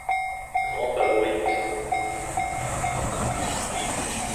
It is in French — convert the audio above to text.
Grand favori du St.